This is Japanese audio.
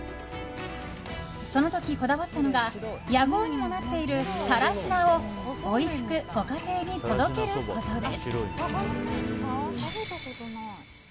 その時こだわったのが屋号にもなっている更科をおいしくご家庭に届けることです。